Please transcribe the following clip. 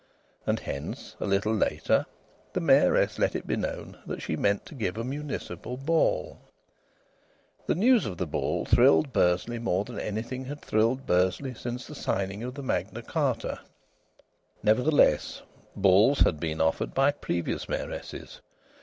And hence, a little later, the Mayoress let it be known that she meant to give a municipal ball. The news of the ball thrilled Bursley more than anything had thrilled Bursley since the signing of Magna Charta. Nevertheless, balls had been offered by previous mayoresses.